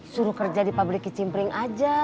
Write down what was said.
suruh kerja di publik ke cimpring aja